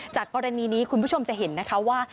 จากกรณีนี้คุณผู้ชมจะเห็นนะคะว่า